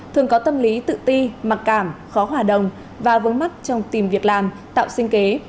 thường có tâm lý tự ti mặc cảm khó hòa đồng và vướng mắt trong tìm việc làm tạo sinh kế